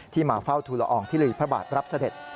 ที่มาเฝ้าธุระองค์ทุลีพระบาทรับเสด็จ